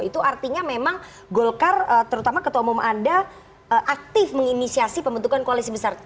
itu artinya memang golkar terutama ketua umum anda aktif menginisiasi pembentukan koalisi besar